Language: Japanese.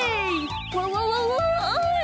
わわわわい。